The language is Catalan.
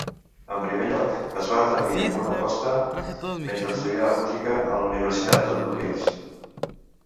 En primer lloc, es va atrevir amb una aposta mentre estudiava música a la Universitat de Rutgers.